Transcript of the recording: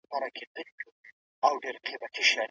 په دې موده کې یو ډول خواړه خوړل شول.